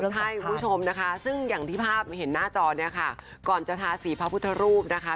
ใช่คุณผู้ชมนะคะซึ่งอย่างที่ภาพเห็นหน้าจอเนี่ยค่ะก่อนจะทาสีพระพุทธรูปนะคะ